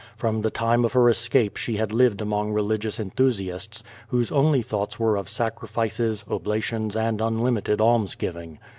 From the time of her escape she had lived among religious enthusiasts, whose only thoughts were of sacrifices, oblations and unlimited almsgiving.